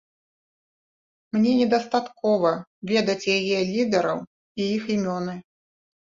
Мне недастаткова ведаць яе лідэраў і іх імёны.